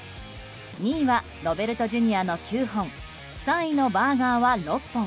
２位はロベルトＪｒ．の９本３位のバーガーは６本。